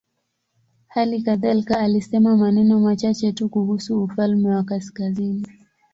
Hali kadhalika alisema maneno machache tu kuhusu ufalme wa kaskazini.